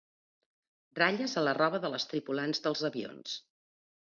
Ratlles a la roba de les tripulants dels avions.